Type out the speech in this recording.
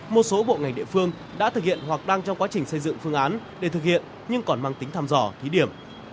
một số bộ ngành địa phương đã thực hiện hoặc đang trong quá trình xây dựng phương án để thực hiện nhưng còn mang tính thăm dò thí điểm